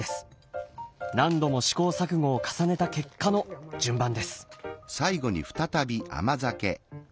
何度も試行錯誤を重ねた結果の順番です。